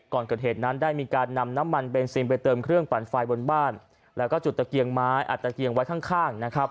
ก่อนเกิดเหตุนั้นได้มีการนำน้ำมันเบนซีนไปเติมเครื่องปั่นไฟบนบ้านแล้วก็จุดตะเกียงไว้ข้าง